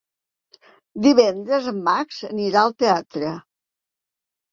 Divendres en Max anirà al teatre.